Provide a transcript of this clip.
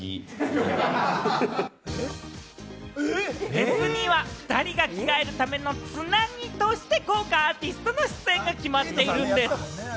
フェスには２人が着替えるための繋ぎとして、豪華アーティストの出演も決まっているんです。